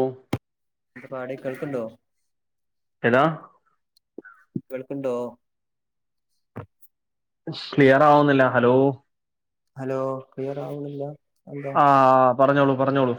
ഓം എന്ത പാട് കേൾക്ക്ണ്ടോ എതാ കേൾക്ക്ണ്ടോ സ്ക്ലിയർ ആവുന്നില്ല ഹലോ ഹലോ ക് ളിയറാവ്ണില്ല അഹ് എന്താ ആ പറഞ്ഞോളൂ പറഞ്ഞോളൂ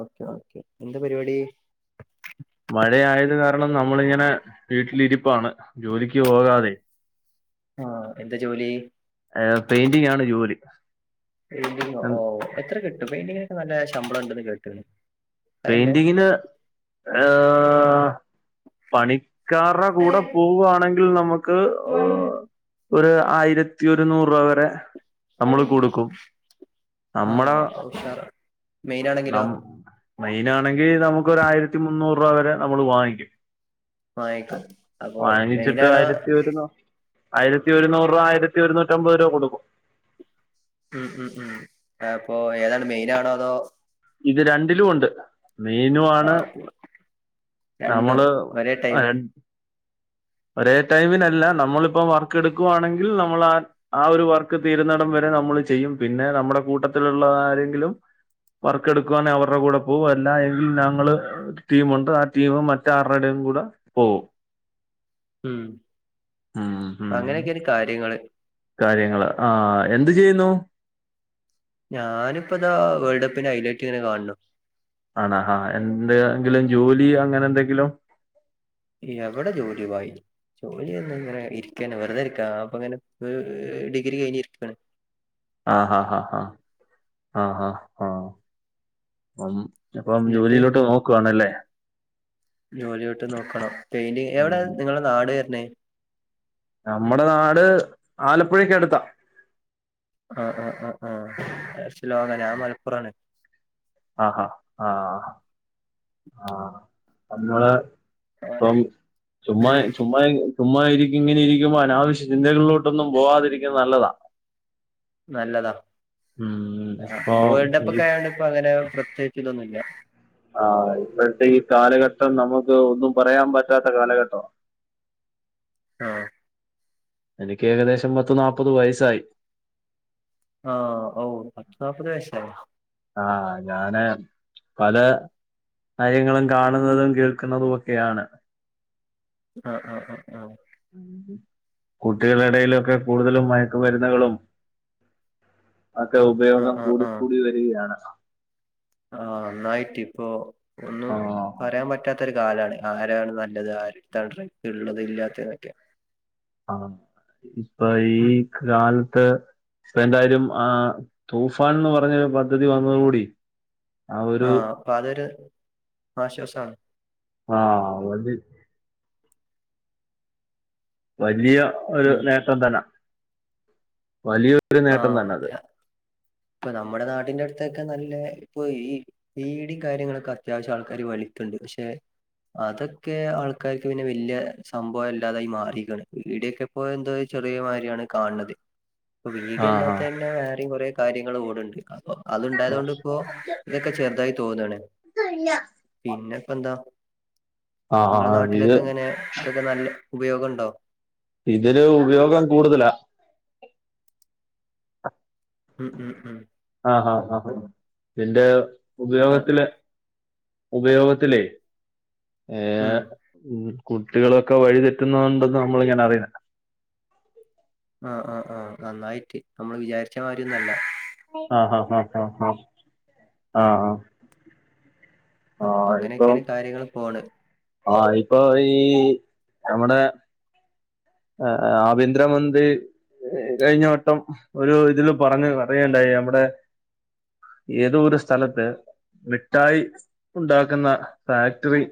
ഓക്കെ ഓക്കെ എന്താ പരിപാടി മഴയായത് കാരണം നമ്മളിങ്ങനെ വീട്ടിലിരിപ്പാണ് ജോലിക്ക് പോകാതെ ആഹ് എന്താ ജോലി ഏ പെയിന്റിങ് ആണ് ജോലി പെയിന്റിങ്ങോ ഓ എത്ര കിട്ടും പെയിന്റിങ്ങിനൊക്കെ നല്ല ശമ്പളം ഉണ്ടന്ന് കേട്ട്ണ് അതെന്നെ പെയിന്റിങ്ങിന് ആഹ് പണിക്കാരുടെ കൂടെ പോവുവാണെങ്കിൽ നമുക്ക് ഒരു ആയിരത്തി ഒനൂറ് രൂപ വരെ നമ്മൾ കൊടുക്കും നമ്മടെ ആഹ് ഉഷാറാ ന മെയിനാണെങ്കിലോ മെയിൻ ആണെങ്കി നമുക്ക് ഒര് ആയിരത്തി മുന്നൂറ് രൂപ വരെ നമ്മൾ വാങ്ങിക്കും വാങ്ങിക്കും അപ്പൊ വാങ്ങിച്ചിട്ട് മെയിനാണോ ആയിരത്തി വരുന്ന ആയിരത്തി ഒരൂ നൂറ് രൂപ ആയിരത്തി ഒരുന്നൂറ്റിയമ്പത് രൂപ കൊടുക്കും ഉം ഉം ഉം അപ്പൊ ഏതാണ് മെയിനാണോ അതോ ഇത് രണ്ടിലും ഉണ്ട് മെയ്നും ആണ് ആഹ് രണ്ടും നമ്മള് ഒരേ ടൈം ഒരേ ടൈമിനല്ല നമ്മളിപ്പം വർക്ക് എടുക്കുവാണെങ്കിൽ നമ്മൾ ആ ആ ഒരു വർക്ക് തീരുന്നടം വരെ നമ്മൾ ചെയ്യും പിന്നെ നമ്മുടെ കൂട്ടത്തിലുള്ള ആരെങ്കിലും വർക്ക് എടുക്കുവാന്നെ അവരുടെ കൂടെ പോവും അല്ലാഎങ്കിൽ ഞങ്ങള് ടീമുണ്ട് ആ ടീമും മറ്റ ആരുടെ ടെയും കൂടെ പോവും ഉം ഉം, ഉം, ഉം. അങ്ങനെയൊക്കെന് കാര്യങ്ങള് കാര്യങ്ങള് ആ എന്ത് ചെയ്യുന്നു ഞാനിപ്പ ഇതാ വേൾഡ് കപ്പിന് ഹൈലൈറ്റ് ഇങ്ങനെ കാണ് ണു ആണ ആ എന്തങ്കിലും ജോലി അങ്ങനെ എന്തെങ്കിലും എവിടെ ജോലി ഭായി ജോലി എന്നും ങ്ങനെ ഇരിക്ക ന്നെ വെറുതെ ഇരിക്കാ അപ്പ അങ്ങനെ ഡിഗ്രി കഴിഞ്ഞി ഇരിക്കാണ് ആഹ് ആഹ് ആഹ് ആഹ് ആഹ് ആഹ് ആ അപ്പം എന്നിട്ട് ജോലിയിലോട്ട് നോക്കുവാണല്ലേ ജോലിയോട്ട് നോക്കണം പെയിന്റിങ് എവിടെ ഉം നിങ്ങളെ നാട് വര്ണേ നമ്മുടെ നാട് ആലപ്പുഴക്ക അടുത്താ ആഹ് ആഹ് ആഹ് ആഹ് കൊർച്ച് ലോങ്ങാ ഞാൻ മലപ്പുറാണ് ആഹ് ആഹ്ആ ആഹ് നമ്മള് മലപ്പുറം [unintelligible] ചുമ്മാ ചുമ്മാ ചുമ്മാ ഇരിക്കും ഇങ്ങനെ ഇരിക്കുമ്പോ അനാവശ്യ ചിന്തകളിലോട്ടൊന്നും പോവാതിരിക്കുന്ന നല്ലതാ നല്ലതാ ഉം ആ ഇപ്പൊ പ്പം വേൾഡ് കപ്പ് ഈ ക്കെ ആയോണ്ട് ഇപ്പൊ അങ്ങനെ പ്രത്യേകിച്ച് തൊന്നും ല്ല ആ ഇപ്പോഴത്തെ ഈ കാലഘട്ടം നമുക്ക് ഒന്നും പറയാൻ പറ്റാത്ത കാലഘട്ടാ ആഹ് എനിക്ക് ഏകദേശം പത്ത് നാപ്പത് വയസ്സായി ആഹ് ഓ [unintelligible] ആഹ് ഞാന് പല കാര്യങ്ങളും കാണുന്നതും കേൾക്കുന്നതും ഒക്കെയാണ് ആഹ് ആഹ് ആഹ് ആഹ് കുട്ടികളെ ഇടയിലൊക്കെ കൂടുതലും മയക്കുമരുന്നുകളും അക്കെ ആ ഉപയോഗം ആ കൂടി കൂടി വരികയാണ് ആഹ് നന്നായിട്ട് ഇപ്പോ ഒന്നും ആഹ് പറയാൻ പ റ്റാത്തൊരു കാലമാണ് ആരാണ് നല്ലത് ആരട്ത്താണ് ഉള്ളത് ഇല്ലാത്തതൊക്കെ ആഹ് ഇപ്പൊ ഈ കാലത്ത് ഇപ്പ എന്തായാലും ആ തൂഫാൻന്ന് പറഞ്ഞൊരു പദ്ധതി വന്നതോടുകൂടി ആ ഒരു ആഹ് അപ്പൊ അതൊരു ആശ്വാസമാണ് ആഹ് വന്നി വലിയ ഒരു ഉം നേട്ടം തന്ന വലിയൊരു നേട്ടം തന്നെ അത് ക്കെ നമ്മുടെ നാടിന്റെ അടുത്തൊക്കെ നല്ല ഇപ്പൊ ഈ ബീഡി കാര്യങ്ങളൊക്കെ അത്യാവശ്യം ആൾക്കാർ വലിക്കുണ്ട് പക്ഷെ അതൊക്കെ ആൾക്കാർക്ക് പിന്നെ വല്യ സംഭവല്ലാതായി മാറിരിക്കാണ് ബീഡിയൊക്കെ ഇപ്പോ എന്തോ ചെറിയ മാരിയാണ് കണ്ത് ആഹ് ബീഡിയല്ലാത്ത തന്നെ വേറെയും കൊറെ കാര്യങ്ങള് കൂടൊണ്ട് അപ്പൊ ആഹ് അത്ണ്ടായത് കൊണ്ട് ഇപ്പോ ഇതൊക്കെ ചെറുതായി തോന്നാണ് പിന്നെപ്പെന്താ ആഹ് ഇങ്ങളെ ആഹ് ഇത് നാട്ടിലൊക്കെ എങ്ങനെ ഇതൊക്കെ നല്ല ഉപയോഗണ്ടോ ഇതിന് ഉപയോഗം കൂടുതലാ ഉം ഉം ഉം ആഹ് ആഹ് ആഹ് ആഹ് ഇതിന്റെ അപ്പ ഉപയോഗത്തില് ഉപയോഗത്തിലെ ഉം ഏഹ് മ്മ് കുട്ടികളൊക്കെ വഴിതെറ്റുന്നോണ്ട്ന്ന് നമ്മളിങ്ങനെ അറിയിന്നെ ആഹ് ആഹ് ആഹ് നന്നായിറ്റ് നമ്മള് വിചാരിച്ച മാരിയൊന്നല്ല ആഹ് ആഹ് ആഹ് ഹാ ഹാ ആഹ് ആഹ് അപ്പ ആഹ് ഇപ്പം അങ്ങനെയൊക്കെയാണ് കാര്യങ്ങള് പോണ് ആഹ് ഇപ്പോ ഈ നമ്മടെ ആ ആ ആഭ്യന്തരമന്ത്രി എ കഴിഞ്ഞവട്ടം ഒരു ഇതില് പറഞ്ഞ പറയണ്ടായി നമ്മടെ ഏതോ ഒരു സ്ഥലത്ത് മിട്ടായി ഉണ്ടാക്കുന്ന ഫാക്ടറി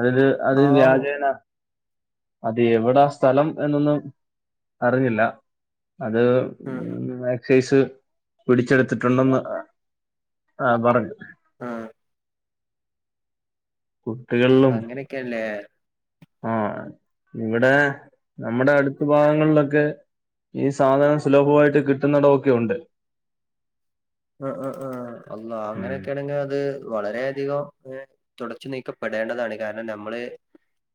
അതില് അത് ആവൂ വ്യാജേന അത് എവിടാ സ്ഥലം എന്നൊന്നും അറിഞ്ഞില്ല അത് ഉം ഉം മ്എക്സൈസ് പിടിച്ചെടുത്തിട്ടുണ്ടെന്ന് ആഹ് പറഞ്ഞു ആഹ് കുട്ടികളിലും അങ്ങനെയൊക്കെയല്ലേ ആഹ് ഇവിടെ നമ്മുടെ അടുത്ത് ഭാഗങ്ങളിലൊക്കെ ഈ സാധനം സുലഭമായിട്ട് കിട്ടുന്നെടവൊക്കെ ഒണ്ട് ആഹ് ആഹ് ആഹ് അല്ലാഹ് ഉം. അങ്ങനെയൊക്കെയാണെങ്കി അത് വളരെ അധികം തുടച്ചു നീക്കപ്പെടേണ്ടതാണ് കാരണം നമ്മള്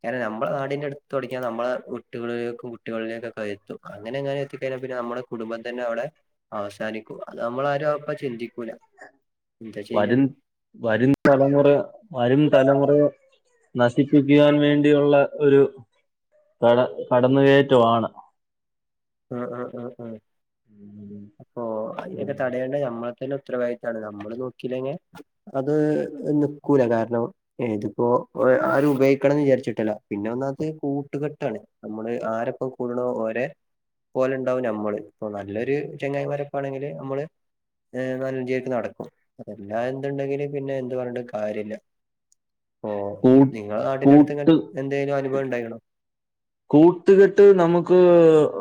കാരണം നമ്മളെ നാടിന്റെ അടുത്ത് തുടങ്ങിയ നമ്മളെ വീട്ടുകളിലേക്കും കുട്ടികളിലേക്കൊക്കെ അയെത്തും അങ്ങനെയെങ്ങാനും എത്തിക്കഴിഞ്ഞാ പിന്നെ നമ്മടെ കുടുംബം തന്നെ അവടെ അവസാനിക്കും അത് നമ്മളാരു അ പ്പൊ ചിന്തിക്കൂല എന്താ ചെയ്യാ വരും വരും തലമുറ വരും തലമുറ നശിപ്പിക്കുവാൻ വേണ്ടിയുള്ള ഒരു കട കടന്നുകയറ്റമാണ് മ് മ് മ് അപ്പോ അതിനൊക്കെ തടയേണ്ട നമ്മള ന്റെ ഉത്തരവാദിത്താണ് നമ്മള് നോക്കീലെങ്കി അത് നിക്കൂല കാരണം ഇതിപ്പോ ആരും ഉപയോഗിക്കണംന്ന് വിചാരിച്ചിട്ടല്ല പിന്നെ ഒന്നാമത്തെ കൂട്ടുകെട്ടാണ് നമ്മള് ആരൊപ്പം കൂടണോ ഓരെ പോലെ ഉണ്ടാവും നമ്മള് ഇപ്പൊ നല്ലൊരു ചെങ്ങായിമാരൊക്കാണെങ്കില് നമ്മള് ഏതായാലും [unintelligible] നടക്കും അപ്പൊ പിന്നെ എന്തുണ്ടെങ്കിലും പിന്നെ എന്ത് പറഞ്ഞിട്ടും കാര്യമില്ല ഇപ്പോ കൂ- നിങ്ങളെ നാടിന്റെടുത്തൊക്കെ കൂട്ട് എന്തേലും അനുഭവണ്ടായിക്ക്ണോ കൂട്ടുകെട്ട് നമുക്ക്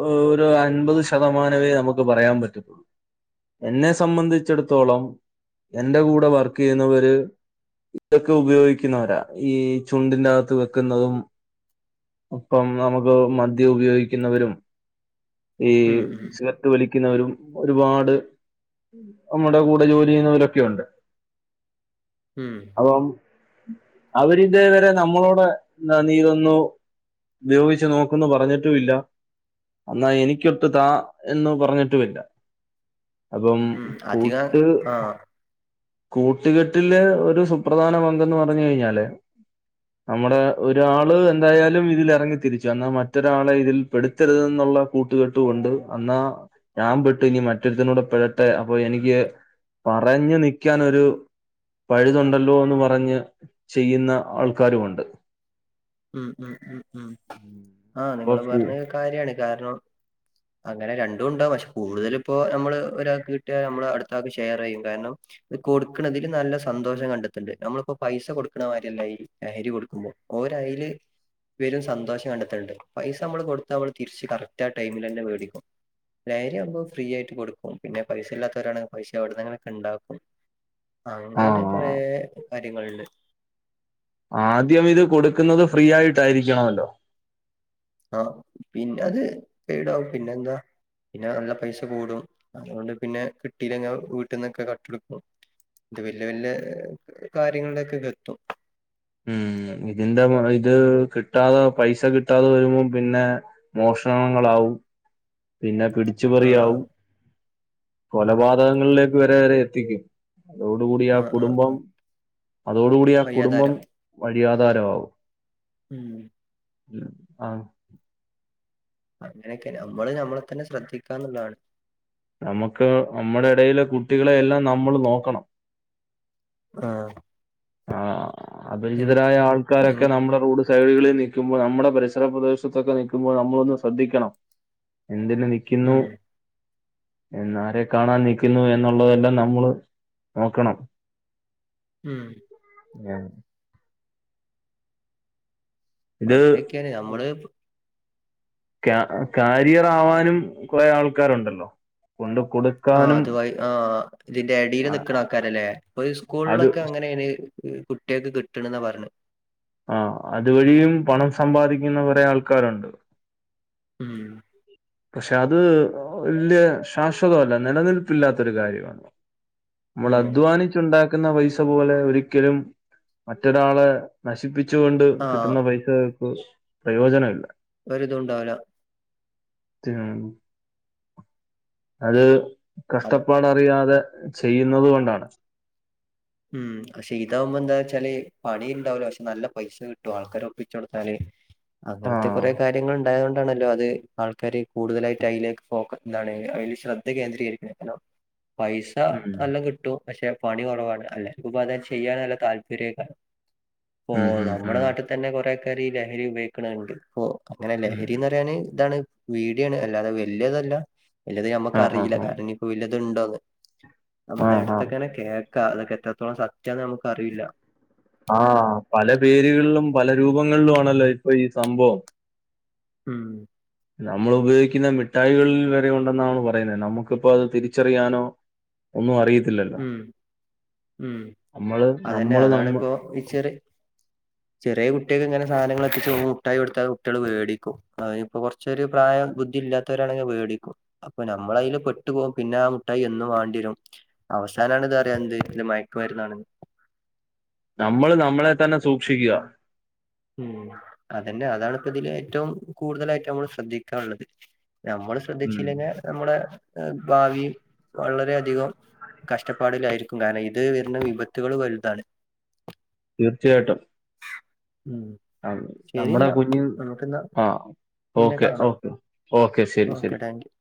ഓ ഒരു അൻപത് ശതമാനമേ നമുക്ക് പറയാൻ പ റ്റത്തൊള്ളു എന്നെ സംബന്ധിച്ചിടത്തോളം എന്റെ കൂടെ വർക്ക് ചെയ്യുന്നവര് ഇതൊക്കെ ഉപയോഗിക്കുന്നവരാ ഈ ചുണ്ടിന്റകത്ത് വെക്കുന്നതും ഇപ്പം നമുക്ക് മദ്യം ഉപയോഗിക്കുന്നവരും ഈ ഉം ഉം സിഗർട്ട് വലിക്കുന്നവരും ഒരുപാട് നമ്മുടെ കൂടെ ജോലി ചെയ്യുന്നോലൊക്കെയൊണ്ട് ഉം ഇപ്പൊ അവരിതേവരെ നമ്മളോട് നീയിതൊന്നു ഉപയോഗിച്ച് നോക്കെന്നു പറഞ്ഞിട്ടും ഇല്ല എന്നാ എനിക്കൊട്ട് താ എന്ന് പറഞ്ഞിട്ടുമില്ല അപ്പം ഉം അധികം കൂട്ട് ആ കൂട്ടുകെട്ടില് ഒരു സുപ്രധാന പങ്കെന്ന് പറഞ്ഞു കഴിഞ്ഞാല് നമ്മുടെ ഒരാള് എന്തായാലും ഇതില് ഇറങ്ങി തിരിച്ചു എന്നാൽ മറ്റൊരാളെ ഇതിൽ പെടുത്തരുത് എന്നുള്ള കൂട്ടുകെട്ടും ഉണ്ട് അന്നാ ഞാൻ പെട്ടു ഇനി മറ്റൊരുത്തനൂടെ പെടട്ടെ അപ്പൊ എനിക്ക് പറഞ്ഞു നിക്കാൻ ഒരു പഴുതുണ്ടല്ലോ എന്ന് പറഞ്ഞ് ചെയ്യുന്ന ആൾക്കാരുമുണ്ട് ഉം ഉം ഉം ഉം ആഹ് അപ്പൊ നിങ്ങള് കൂ പറഞ്ഞത് കാര്യാണ് കാരണം അങ്ങനെ രണ്ടും ഉണ്ടാവും പക്ഷെ കൂടുതല് ഇപ്പോ നമ്മള് ഒരാൾക്ക് കിട്ടിയാൽ നമ്മള് അടുത്ത ആൾക്ക് ഷെയർ ചെയ്യും കാരണം കൊടുക്കണതിൽ നല്ല സന്തോഷം കണ്ടെത്തുന്നുണ്ട് നമ്മളിപ്പോ പൈസ കൊടുക്കണമാതിരിയല്ല ഈ ലഹരി കൊടുക്കുമ്പോൾ ഓ ന്റയില് വരും സന്തോഷം കണ്ടെത്തണണ്ട് പൈസ നമ്മള് കൊടുത്താ നമ്മള് തിരിച്ച് കറക്റ്റ് ആഹ് ടൈമില് തന്നെ മേടിക്കും ലഹരി ആവുമ്പൊ ഫ്രീ ആയിട്ട് കൊടുക്കും പിന്നെ പൈസ ഇല്ലാത്തവരാണങ്കി പൈസ എവിടെന്നെങ്കിലുമൊക്കെ ഇണ്ടാക്കും അത്കൊണ്ടു ആ തന്നെ കൊറെ കാര്യങ്ങളുണ്ട് ആദ്യം ഇത് കൊടുക്കുന്നത് ഫ്രീ ആയിട്ടായിരിക്കണമല്ലോ ആഹ് പിന്നത് പെയിടാവും പിന്നെന്താ പിന്നെ നല്ല പൈസ കൂടും അതുകൊണ്ട് പിന്നെ കിട്ടില്ലെങ്കി വീട്ടിൽന്നൊക്കെ കട്ടെടുക്കും ഇത് വല്യ വല്യ കാര്യങ്ങളിലേക്കൊക്കെയെത്തും ഉം ഇതിന്റെ പറയ് ഇത് കിട്ടാതെ പൈസ കിട്ടാതെ വരുമ്പോം പിന്നെ മോഷണങ്ങളാവും പിന്നെ പിടിച്ചുപറിയാവും ആഹ് കൊലപാതകങ്ങളിലേക്ക് വരെ വരെ എത്തിക്കും അതോടുകൂടി ആഹ് കുടുംബം അതോടുകൂടി ആഹ് കുടുംബം വയ്യാതാരം വഴിയാധാരമാവും ഉം ഉം ആ അങ്ങനെയെക്കെ നമ്മള് ഞമ്മളെ തന്നെ ശ്രദ്ധിക്കാന്ന്ള്ളാണ് നമ്മക്ക് നമ്മടെ എടയിലെ കുട്ടികളെ എല്ലാം നമ്മള് നോക്കണം ആഹ് ആ അപരിചിതരായ ആൾക്കാരൊക്കെ ഉം നമ്മള റോഡ് സൈഡുകളിൽ നിക്കുമ്പോ നമ്മുടെ പരിസര പ്രദേശത്തൊക്കെ നിക്കുമ്പോൾ നമ്മളൊന്ന് ശ്രദ്ധിക്കണം എന്തിന് നിക്കുന്നു എന്ന ആരെ കാണാൻ നിക്കുന്നു എന്നുള്ളതെല്ലാം നമ്മള് നോക്കണം ഉം ഞാൻ അപ്പ ഇത് അതിനെക്കെയാണ് ഞമ്മള് ക്യാ കാരിയറ് ആവാനും കോറെ ആൾക്കാരുണ്ടല്ലോ കോണ്ട് കൊട് ആ അത് വഴി ആ ഇതിന്റെ എടേല് നിക്ക്ണ ആൾക്കാരലെ അപ്പൊ ഈ അത് സ്കൂൾലൊക്കെ അങ്ങനെഎങ്ങനെ ഇത് കുട്ടിയെക്ക് കിട്ട്ണ്ന്നാ പറഞ്ഞെ ആ അതു വഴിയും പണം സമ്പാദിക്കുന്ന കോറെ ആൾക്കാരുണ്ട് ഉം പക്ഷെ അത് വല്ല്യ ശാശ്വതമല്ല നിലനിൽപ്പില്ലാത്തൊരു കാര്യമാണ് മ്മള് ഉം അധ്വാനിച്ചുണ്ടാക്കുന്ന പൈസ പോലെ ഒരിക്കലും മറ്റരാളെ നശിപ്പിച്ച് കൊണ്ട് ആഹ് കിട്ടുന്ന പൈസകൾക്ക് പ്രയോജനമില്ല ഒര് ഇതും ഇണ്ടാവുല [unintelligible] അത് അത് കഷ്ടപ്പാടറിയാതെ ചെയ്യുന്നത് കൊണ്ടാണ് ഉം പക്ഷെ ഇതാവുമ്പ എന്താ വെച്ചാല് പണി ഇണ്ടാവുല പക്ഷെ നല്ല പൈസ കിട്ടും ആൾക്കാരെ ഒപ്പിച്ച് കൊട്ത്താല് ആ അങ്ങൻത്തെ കോറെ കാര്യങ്ങള് ഉണ്ടായത് കൊണ്ടാണല്ലോ അത് ആൾക്കാര് കൂടുതലായിട്ട് അയിലേക്ക് ഫോക്കസ് എന്താണ് അയില് ശ്രദ്ധ കേന്ദ്രീകരിക്ക്ണ് ഹലോ പൈസ ഉം. നല്ലം കിട്ടും പക്ഷെ പണി കൊറവാണ് [unintelligible] ചെയ്യാൻ നല്ല താല്പര്യൊക്കെണ് ഇപ്പോ ഉം, ഉം, നമ്മുടെ ഉം. നാട്ട് തന്നെ കോറെ ആൾക്കാര് ഈ ലഹരി ഉപയോഗിക്ക്ണ് ഇണ്ട് ഇപ്പൊ അങ്ങനെ ഉം. ലഹരീന്ന് പറയാന് ഇതാണ് ബീഡിയാണ് അല്ലാതെ വല്ല്യതല്ല വല്ല്യത് ഞമ്മക്ക് ആ ആ അറീല കാരണം ഇനിപ്പോ വല്ല്യത് ഇണ്ടോന്ന് ആ ആ നമ്മടെ ആ എട്ത്തെക്കെണെ കേക്കാ അതൊക്കെ എത്രത്തോളം സത്യന്ന് നമുക്ക് അറിയില്ല ആ പല പേരുകൾലും പല രൂപങ്ങൾലും ആണല്ലോ ഇപ്പൊ ഈ സംഭവം ഉം നമ്മള് ഉപയോഗിക്കുന്ന മിഠായികൾല് വരെ ഉണ്ടെന്നാണ് പറയുന്നത് നമുക്ക്പ്പോ അത് തിരിച്ചറിയാനോ. ഒന്നും അറിയത്തില്ലല്ലോ. ഉം ഉം, നമ്മള് അതന്നെ നമ്മള് നമ്മ അതാണിപ്പോ ഈ ചെറി ചെറ്യേ കുട്ടിയെക് ഇങ്ങനെ സാധനങ്ങള് എത്തിച് മുട്ടായി കൊടുത്താ കുട്ടിയള് വേടിക്കും അപ്പ കൊർച്ചര് പ്രായം ബുദ്ധി ഇല്ലാത്തവരാണെങ്കി അത് വേടിക്കും. അപ്പ നമ്മളയ്ല് പെട്ടു പോവും പിന്നെ ആ മുട്ടായി എന്നും വാണ്ടി വരും. അവസാനാണ് ഇതറിയ എന്ത് ഇത് മയക്കു മര്ന്നാണ്. നമ്മള് നമ്മളെ തന്നെ സൂക്ഷിക്കുക. ഉം, അതന്നെ അതാണ് ഇപ്പ ഇതില് ഏറ്റവും കൂടുതലായിട്ട് നമ്മള് ശ്രദ്ധിക്കാള്ളത് നമ്മള് ഉം ശ്രദ്ധിച്ചില്ലെങ്കി നമ്മളെ ഭാവി വളരെ അധികം. കഷ്ടപ്പാടിലായിരിക്കും. കാരണം ഇത് വര്ന വിപത്തുകള് വൽതാണ്. തീർച്ചയായിട്ടും. ഉം ആ, ശരി നമ്മുടെ ന്നാ കുഞ്ഞ് നമ്മുക്കിന്നാ- ആ പിന്നെ ഓക്കെ കാണാം ഓക്കെ ഓക്കെ ശരി ശരി ഓക്കെ താങ്ക്യൂ-